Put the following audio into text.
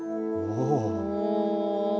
おお。